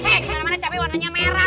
eh gimana cabai warnanya merah